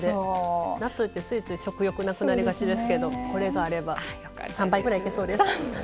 夏ってついつい食欲なくなりがちですけどこれがあれば３杯くらいいけそうです。